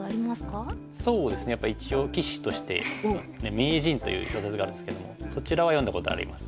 そうですねやっぱり一応棋士として「名人」という小説があるんですけどもそちらは読んだことあります。